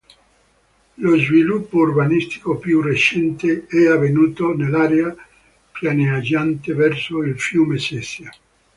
Lo sviluppo urbanistico più recente è avvenuto nell'area pianeggiante verso il fiume Sesia.